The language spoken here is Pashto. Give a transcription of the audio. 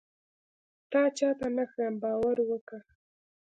تا چاته نه ښيم باور وکه.